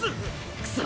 クソ！